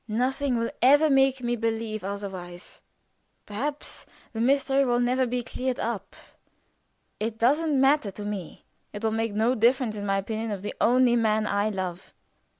Nothing will ever make me believe otherwise. Perhaps the mystery will never be cleared up. It doesn't matter to me. It will make no difference in my opinion of the only man I love."